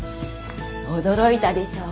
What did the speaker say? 驚いたでしょ。